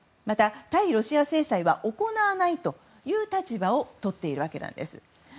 また、対ロシア制裁は行わないという立場をとっているわけです。